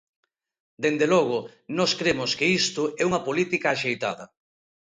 Dende logo, nós cremos que isto é unha política axeitada.